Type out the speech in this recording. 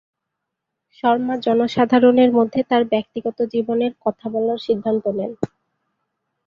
শর্মা জনসাধারণের মধ্যে তার ব্যক্তিগত জীবনের কথা বলার সিদ্ধান্ত নেন।